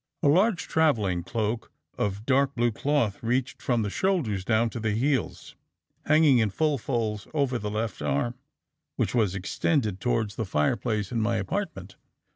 "A large travelling cloak of dark blue cloth reached from the shoulders down to the heels, hanging in full folds over the left arm, which was extended towards the fireplace of my apartment.